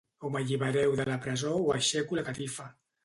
O m’allibereu de la presó o aixeco la catifa.